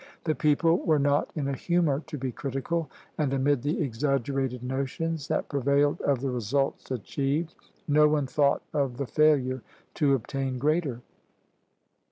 The people were not in a humor to be critical, and amid the exaggerated notions that prevailed of the results achieved, no one thought of the failure to obtain greater.